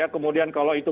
kemudian kalau itu